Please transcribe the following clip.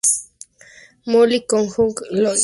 Mole", con Hugh Lloyd y Pat Coombs.